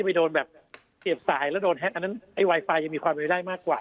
ไปโดนแบบเสียบสายแล้วโดนแท็กอันนั้นไอ้ไวไฟยังมีความเป็นไปได้มากกว่า